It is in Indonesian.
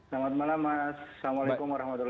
selamat malam mas